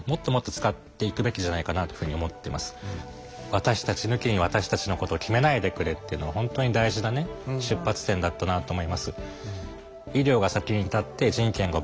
「私たち抜きに私たちのことを決めないでくれ」っていうのは本当に大事な出発点だったなと思います。